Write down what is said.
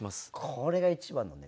これが一番のね